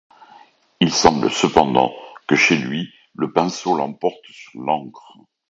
Il semble cependant que chez lui le pinceau l'emporte sur l'encre.